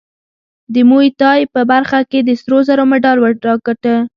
د موی تای په برخه کې د سرو زرو مډال وګاټه